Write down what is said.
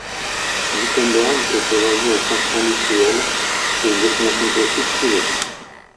Wittemberg est aujourd'hui un centre industriel et une destination touristique prisée.